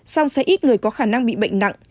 song sẽ ít người có khả năng bị bệnh nặng